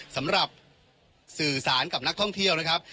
สำหรับสื่อสารกับนักท่องเที่ยวนะครับ